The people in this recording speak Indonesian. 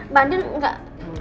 mbak andien enggak